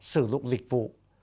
sử dụng dịch vụ